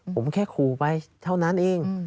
ผมแค่ขู่ไปเท่านั้นเอง